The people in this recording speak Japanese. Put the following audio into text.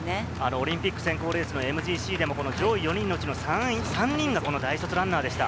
オリンピック選考レースのＭＧＣも上位４人のうち３人が大卒ランナーでした。